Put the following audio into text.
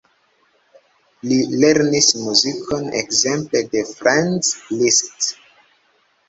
Li lernis muzikon ekzemple de Franz Liszt.